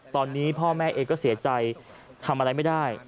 ตอนนี้พ่อแม่เองก็เสียใจทำอะไรไม่ได้